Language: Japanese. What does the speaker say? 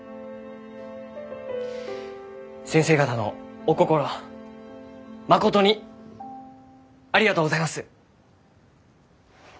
先生方のお心まことにありがとうございます。